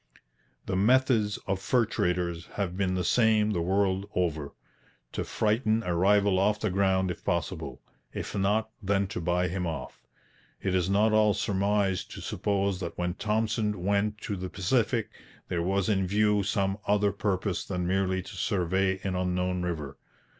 The methods of fur traders have been the same the world over: to frighten a rival off the ground if possible; if not, then to buy him off. It is not all surmise to suppose that when Thompson was sent to the Pacific there was in view some other purpose than merely to survey an unknown river.